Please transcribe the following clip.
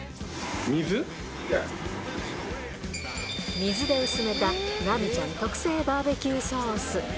水で薄めたラミちゃん特製バーベキューソース。